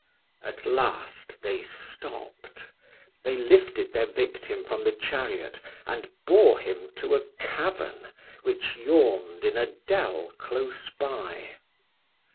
At last they stopped they lifted their victim from the chariot, and bore him to a cavern, which yawned in a dell close by.